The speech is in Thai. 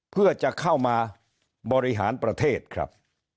เพื่อจะเข้ามาบริหารประเทศครับ